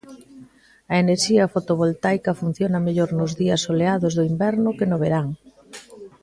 A enerxía fotovoltaica funciona mellor nos días soleados do inverno que no verán.